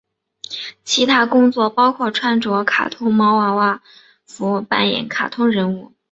其他工作包括穿着卡通毛娃娃服扮演卡通人物。